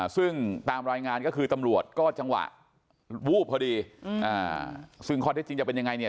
ซึ่งตามรายงานก็คือตำรวจก็จังหวะวูบพอดีซึ่งข้อเท็จจริงจะเป็นยังไงเนี่ย